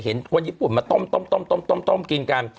เห็นคนญี่ปุ่นมาต้มต้มกินกัน